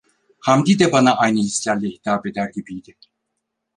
Hamdi de bana aynı hislerle hitap eder gibiydi.